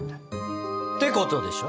てことでしょ？